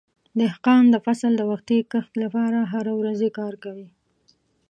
دهقان د فصل د وختي کښت لپاره هره ورځ کار کوي.